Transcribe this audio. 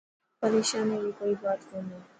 پريشاني ري ڪوئي بات ڪوني.